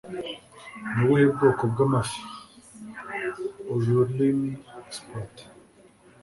ni ubuhe bwoko bw'amafi? (ururimiexpert